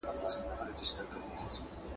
را ایستل یې رنګ په رنګ داسي ږغونه !.